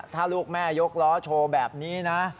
ถ้าลูกแม่ยกล้อโชว์แบบนี้นะ